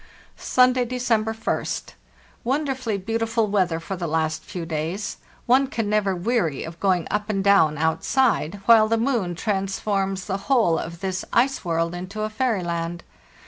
"Sunday, December 1st. Wonderfully beautiful weather for the last few days; one can never weary of going up and down outside, while the moon trans forms the whole of this ice world into a fairy land.